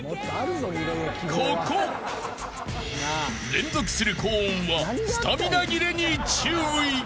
［連続する高音はスタミナ切れに注意］